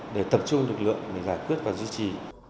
để tập trung lực lượng để giải quyết và duy trì